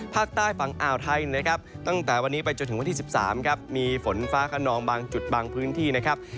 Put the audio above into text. ภาคใต้ฝั่งอ่าวไทยนะครับตั้งแต่วันนี้ไปจนถึงวันที่๑๓ครับมีฝนฟ้าขนองบางจุดบางพื้นที่นะครับ